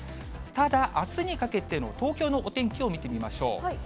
ただ、あすにかけての東京のお天気を見てみましょう。